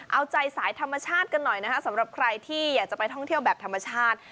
เอาใจสายธรรมชาติกันหน่อยนะคะสำหรับใครที่อยากจะไปท่องเที่ยวแบบธรรมชาติ